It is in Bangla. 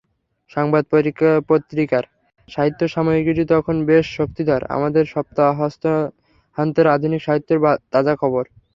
সংবাদ পত্রিকার সাহিত্য সাময়িকীটি তখন বেশ শক্তিধর—আমাদের সপ্তাহান্তের আধুনিক সাহিত্যের তাজা খবর।